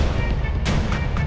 datang juga lo